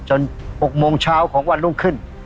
๖โมงเช้าของวันรุ่งขึ้น